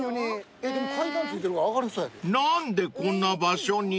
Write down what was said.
［何でこんな場所に？］